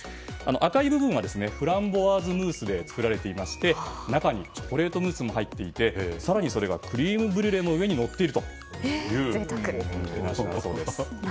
赤い部分はフランボワーズムースで作られていまして中にチョコレートムースも入っていて、更にそれがクリームブリュレの上にのっているというものだそうです。